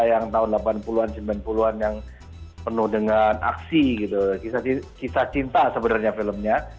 yang tahun delapan puluh an semen puluhan yang penuh dengan aksi gitu ya kita sih kita cinta sebenarnya filmnya